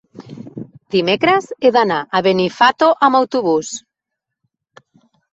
Dimecres he d'anar a Benifato amb autobús.